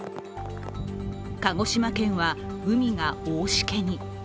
鹿児島県は海が大しけに。